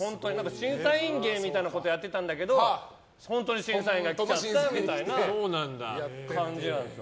審査員芸みたいなことやってたんだけど本当に審査員が来ちゃったみたいな感じよ。